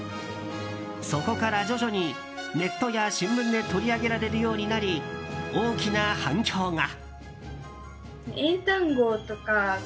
そこから徐々にネットや新聞で取り上げられるようになり大きな反響が。